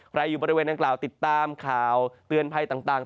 อยู่บริเวณดังกล่าวติดตามข่าวเตือนภัยต่าง